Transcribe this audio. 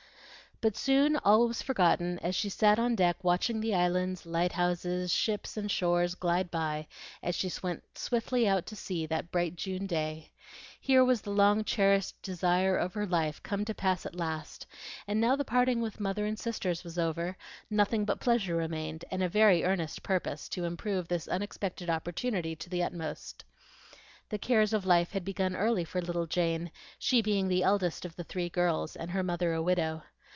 But soon all was forgotten as she sat on deck watching the islands, lighthouses, ships, and shores glide by as she went swiftly out to sea that bright June day. Here was the long cherished desire of her life come to pass at last, and now the parting with mother and sisters was over, nothing but pleasure remained, and a very earnest purpose to improve this unexpected opportunity to the uttermost. The cares of life had begun early for little Jane, she being the eldest of the three girls, and her mother a widow.